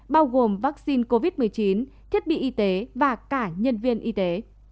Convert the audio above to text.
bao gồm vaccine covid một mươi chín thiết bị y tế và cả nhân viên y tế